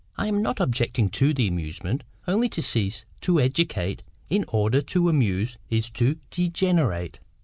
I am not objecting to the amusement; only to cease to educate in order to amuse is to degenerate.